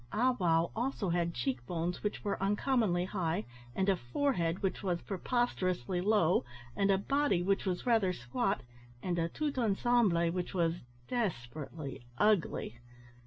Ah wow also had cheek bones which were uncommonly high, and a forehead which was preposterously low, and a body which was rather squat, and a tout ensemble which was desperately ugly.